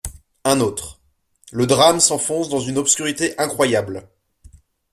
Un autre :« Le drame s’enfonce dans une obscurité incroyable.